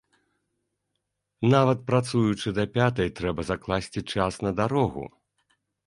Нават працуючы да пятай, трэба закласці час на дарогу.